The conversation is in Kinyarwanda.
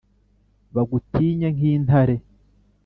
Bagutinye nk'intare